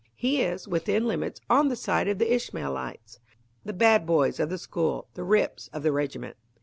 He is, within limits, on the side of the Ishmaelites the bad boys of the school, the "rips" of the regiment.